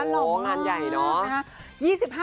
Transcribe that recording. โหหลานใหญ่เนอะ